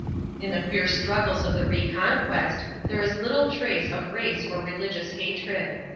In the fierce struggles of the Reconquest there is little trace of race or religious hatred.